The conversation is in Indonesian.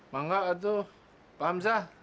mangga atuh paham sah